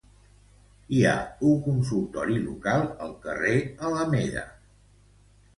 Hi ha un consultori local al carrer Alameda.